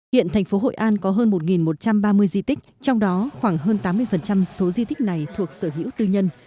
hiện thành phố hội an có hơn một một trăm ba mươi di tích trong đó khoảng hơn tám mươi số di tích này thuộc sở hữu tư nhân